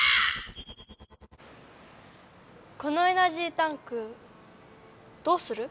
このエナジータンクどうする？